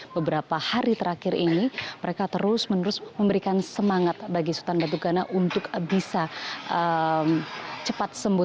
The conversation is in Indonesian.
beberapa hari terakhir ini mereka terus menerus memberikan semangat bagi sultan batu gana untuk bisa cepat sembuh